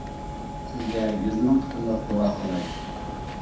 سىزگە يۈز مىڭ قېتىملاپ دۇئا قىلاي.